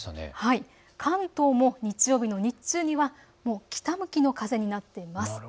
関東も日曜日の日中にはもう北向きの風になっています。